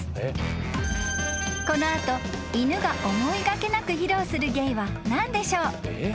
［この後犬が思いがけなく披露する芸は何でしょう？］